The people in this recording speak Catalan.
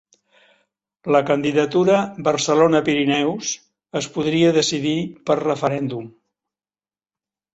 La candidatura Barcelona-Pirineus es podria decidir per referèndum